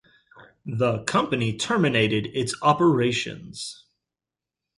The company terminated its operations.